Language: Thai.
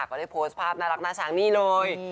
ก็ได้โพสต์ภาพน่ารักน่าช้างนี่เลย